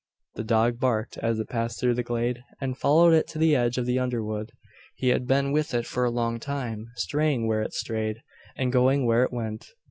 The dog barked, as it passed through the glade, and followed it to the edge of the underwood. He had been with it for a long time, straying where it strayed, and going where it went.